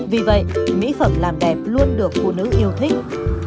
vì vậy mỹ phẩm làm đẹp luôn được phụ nữ yêu thích